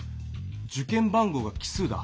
受験番号が奇数だ。